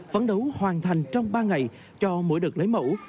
phấn đấu hoàn thành trong ba ngày cho mỗi đợt lấy mẫu